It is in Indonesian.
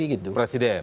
ya yang sini presiden